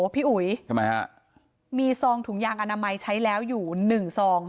พี่อุ๋ยทำไมฮะมีซองถุงยางอนามัยใช้แล้วอยู่หนึ่งซอง